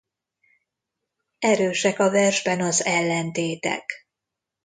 Erősek a versben az ellentétek.